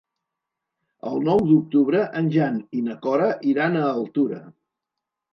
El nou d'octubre en Jan i na Cora iran a Altura.